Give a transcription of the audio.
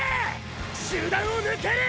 集団をぬける！！